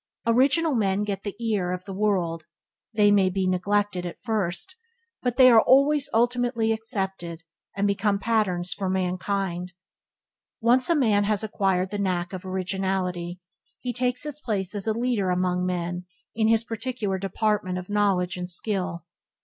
Original men get the ear of the world. They may be neglected at first, but they are always ultimately accepted, and become patterns for mankind. Once a man has acquired the knack of originality, he takes his place as a leader among men in his particular department of knowledge and skill.